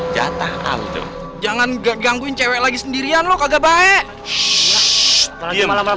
jatah aldo jangan gak gangguin cewek lagi sendirian lo kagak baik